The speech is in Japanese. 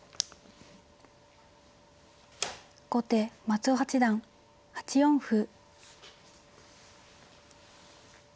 後手松尾八段８四歩。